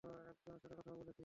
একজনের সাথে কথাও বলেছি!